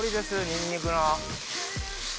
ニンニクの。